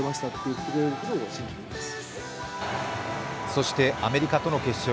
そしてアメリカとの決勝。